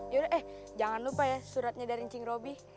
yaudah eh jangan lupa ya suratnya dari ncing robi